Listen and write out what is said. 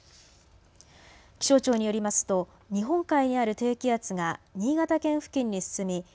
気象庁によりますと日本海にある低気圧が新潟県付近に進み